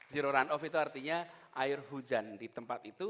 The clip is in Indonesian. zero run off itu artinya air hujan di tempat itu